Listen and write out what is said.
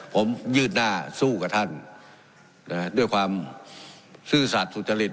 ผมยืดหน้าสู้กับท่านด้วยความซื่อสัตว์สุจริต